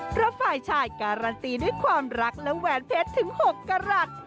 เพราะฝ่ายชายการันตีด้วยความรักและแหวนเพชรถึง๖กรัฐ